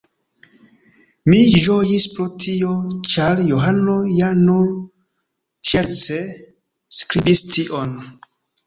Mi ĝojis pro tio, ĉar Johano ja nur ŝerce skribis tion.